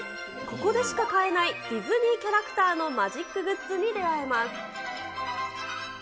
ここでしか買えないディズニーキャラクターのマジックグッズに出